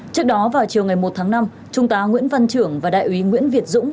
trước đó vào chiều ngày một tháng năm trung tá nguyễn văn trưởng và đại úy nguyễn việt dũng